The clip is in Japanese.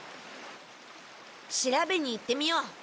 調べに行ってみよう！